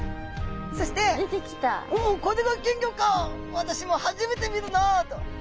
「私も初めて見るなあ」と。